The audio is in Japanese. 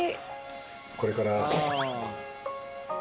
これから。